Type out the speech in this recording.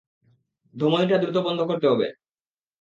ধমনীটা দ্রুত বন্ধ করতে হবে।